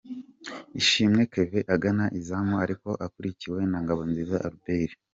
Ishimwe Kevin agana izamu ariko akurikiwe na Ngabonziza Albert.